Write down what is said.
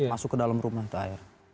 masuk ke dalam rumah itu air